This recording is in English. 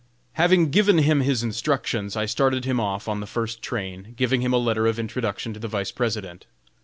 Having given him his instructions, I started him off on the first train, giving him a letter of introduction to the Vice President.